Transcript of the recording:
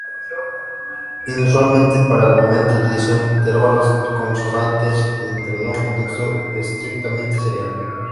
Inusualmente para el momento, utilizó intervalos consonantes dentro de un contexto estrictamente serial.